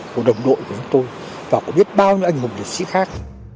của đồng đội của chúng tôi và có biết bao nhiêu anh hùng liệt sĩ khác